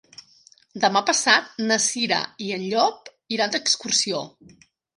Demà passat na Cira i en Llop iran d'excursió.